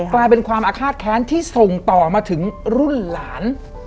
กลายเป็นความอาฆาตแค้นที่ส่งต่อมาถึงรุ่นหลาน